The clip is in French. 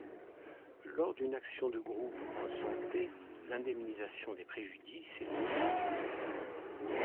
Lors d’une action de groupe en santé, l’indemnisation des préjudices est individuelle.